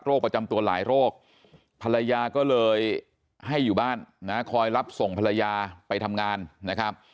ประจำตัวหลายโรคภรรยาก็เลยให้อยู่บ้านนะคอยรับส่งภรรยาไปทำงานนะครับ